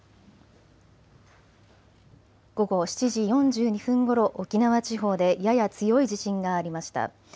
午後７時４２分ごろ、沖縄地方でやや強い地震がありました。